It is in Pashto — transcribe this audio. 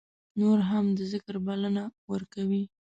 نور هم د ذکر بلنه ورکوي.